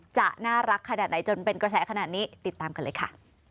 จะน่ารักขนาดไหนจนเป็นกระแสขนาดนี้ติดตามกันเลยค่ะ